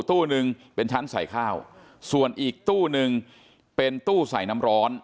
ตู้นึงเป็นชั้นใส่ข้าวส่วนอีกตู้นึงเป็นตู้ใส่น้ำร้อน